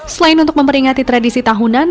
selain untuk memperingati tradisi tahunan